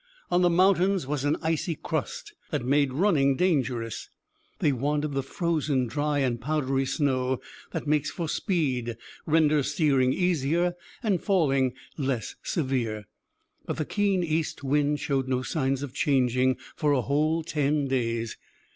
On the mountains was an icy crust that made "running" dangerous; they wanted the frozen, dry, and powdery snow that makes for speed, renders steering easier and falling less severe. But the keen east wind showed no signs of changing for a whole ten days.